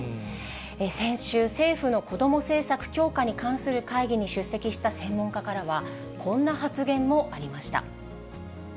先週、政府の子ども政策強化に関する会議に出席した専門家からは、こんな発言もありました。